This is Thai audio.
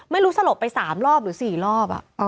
ไม่รู้สลบไป๓รอบหรือ๔รอบ